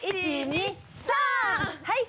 はい！